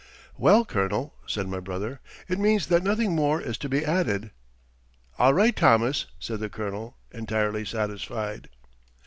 "Well, Colonel," said my brother, "it means that nothing more is to be added." "All right, Thomas," said the Colonel, entirely satisfied.